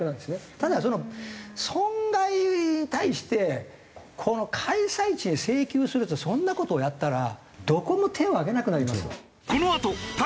ただその損害に対してこの開催地に請求するってそんな事をやったらどこも手を挙げなくなりますよ。